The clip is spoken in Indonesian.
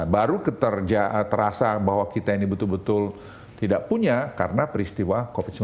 baru terasa bahwa kita ini betul betul tidak punya karena peristiwa covid sembilan belas